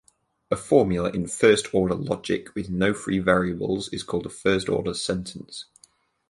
A formula in first-order logic with no free variables is called a first-order sentence.